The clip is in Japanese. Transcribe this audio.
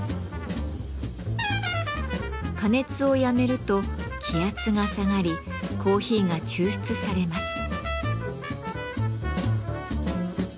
加熱をやめると気圧が下がりコーヒーが抽出されます。